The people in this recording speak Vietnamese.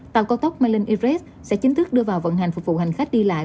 tàu cao tốc mylynh express sẽ chính thức đưa vào vận hành phục vụ hành khách đi lại